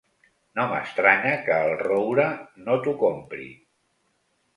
No m'estranya que el Roure no t'ho compri.